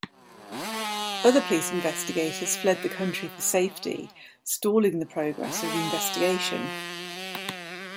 Other police investigators fled the country for safety, stalling the progress of the investigation.